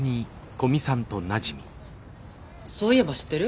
そういえば知ってる？